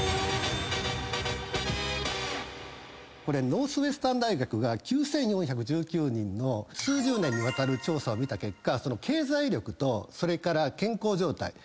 これノースウェスタン大学が９，４１９人の数十年にわたる調査を見た結果経済力とそれから健康状態。